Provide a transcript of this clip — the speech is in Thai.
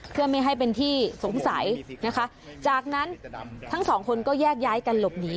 เพื่อไม่ให้เป็นที่สงสัยนะคะจากนั้นทั้งสองคนก็แยกย้ายกันหลบหนี